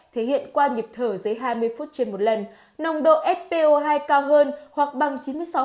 thể hiện qua nhịp thở dưới hai mươi phút trên một lần nồng độ s po hai cao hơn hoặc bằng chín mươi sáu